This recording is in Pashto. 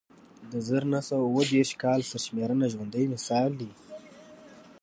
د زر نه سوه اووه دېرش کال سرشمېرنه ژوندی مثال دی